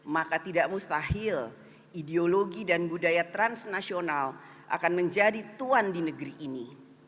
maka tidak mustahil ideologi dan budaya transnasional akan menjadi tuan di negeri ini